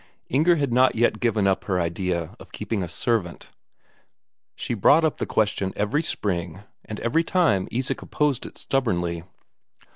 Inger had not yet given up her idea of keeping a servant; she brought up the question every spring, and every time Isak opposed it stubbornly.